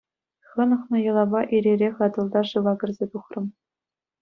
Хӑнӑхнӑ йӑлапа ир-ирех Атӑлта шыва кӗрсе тухрӑм.